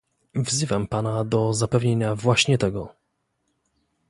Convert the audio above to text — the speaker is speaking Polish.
Wzywam pana do zapewnienia właśnie tego